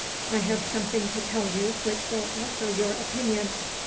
I have something to tell you which will alter your opinion.